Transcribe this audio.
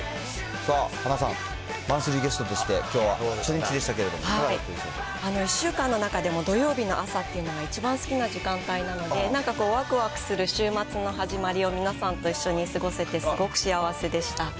さあ、はなさん、マンスリーゲストとしてきょうは初日だったけど１週間の中でも土曜日の朝っていうのが一番好きな時間帯なので、なんかわくわくする週末の始まりを、皆さんと一緒に過ごせてすごく幸せでした。